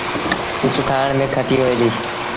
پپ کآڻ ميݩ کٽيٚ هوئي ديٚ۔